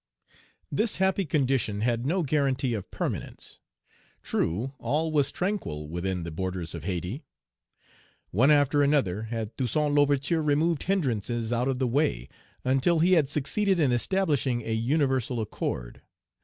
THIS happy condition had no guarantee of permanence. True, all was tranquil within the borders of Hayti. One after another had Toussaint L'Ouverture removed hindrances out of the way, until he had succeeded in establishing a universal accord.